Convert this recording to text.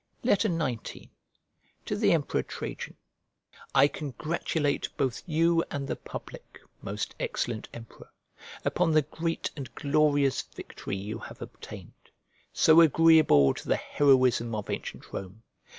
XIX To THE EMPEROR TRAJAN I CONGRATULATE both you and the public, most excellent Emperor, upon the great and glorious victory you have obtained; so agreeable to the heroism of ancient Rome.